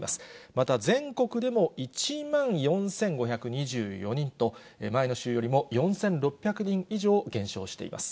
また、全国でも１万４５２４人と、前の週よりも４６００人以上減少しています。